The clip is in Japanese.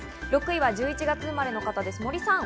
６位は１１月生まれの方、森さん。